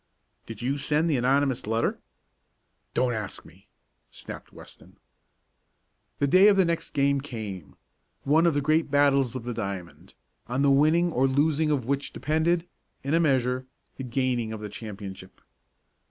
"Did you send the anonymous letter?" "Don't ask me," snapped Weston. The day of the next game came one of the great battles of the diamond, on the winning or losing of which depended, in a measure, the gaining of the championship.